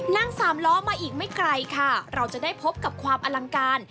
สามล้อมาอีกไม่ไกลค่ะเราจะได้พบกับความอลังการ